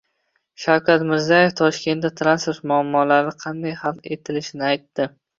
Shavkat Mirziyoyev Toshkentda transport muammolari qanday hal etilishini aytdi